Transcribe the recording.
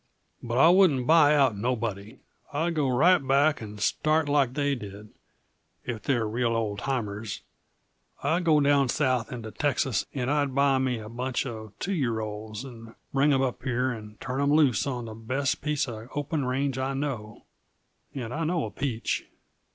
But I wouldn't buy out nobody; I'd go right back and start like they did if they're real old timers. I'd go down south into Texas and I'd buy me a bunch uh two year olds and bring 'em up here, and turn 'em loose on the best piece of open range I know and I know a peach.